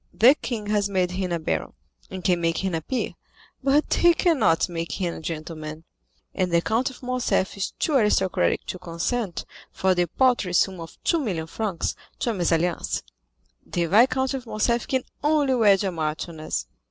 "The king has made him a baron, and can make him a peer, but he cannot make him a gentleman, and the Count of Morcerf is too aristocratic to consent, for the paltry sum of two million francs, to a mésalliance. The Viscount of Morcerf can only wed a marchioness."